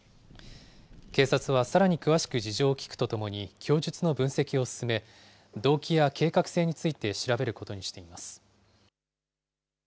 警察はさらに詳しく事情を聴くとともに、供述の分析を進め、動機や計画性について調べることにしています。